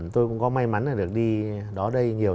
tôi cũng có may mắn là được đi đó đây nhiều